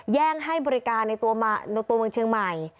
แย่งให้บริการในตัวเมืองเชียงใหม่